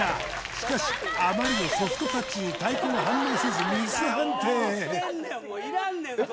しかしあまりのソフトタッチに太鼓が反応せずミス判定えっ？